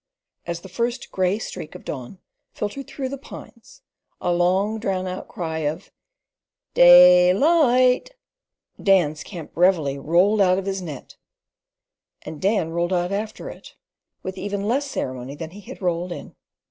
As the first grey streak of dawn filtered through the pines, a long drawn out cry of "Day li ght" Dan's camp reveille rolled out of his net, and Dan rolled out after it, with even less ceremony than he had rolled in.